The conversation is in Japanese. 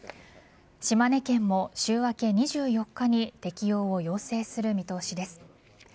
島根県も週明け２４日に適用を要請する見通しです。